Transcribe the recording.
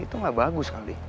itu nggak bagus kali